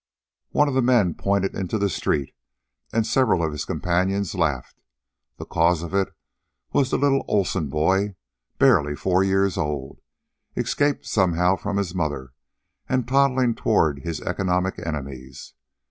One of the men pointed into the street, and several of his companions laughed. The cause of it was the little Olsen boy, barely four years old, escaped somehow from his mother and toddling toward his economic enemies.